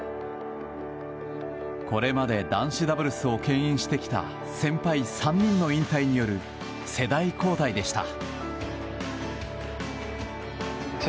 これまで男子ダブルスを牽引してきた先輩３人の引退による世代交代でした。